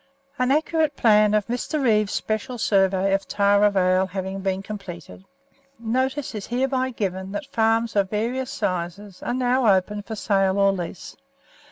An accurate plan of Mr. Reeve's Special Survey of Tarra Vale having been completed, notice is hereby given that farms of various sizes are now open for sale or lease.